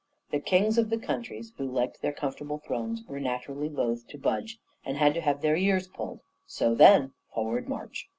The kings of the countries, who liked their comfortable thrones, were, naturally, loath to budge, and had to have their ears pulled; so then Forward, march!